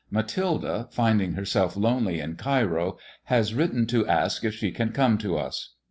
Mathilde, finding herself lonely n Cairo, has written to ask if she can come to us."